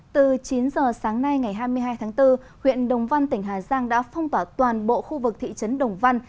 từ chín giờ sáng nay ngày hai mươi hai tháng bốn huyện đồng văn tỉnh hà giang đã phong tỏa toàn bộ khu vực thị trấn đồng văn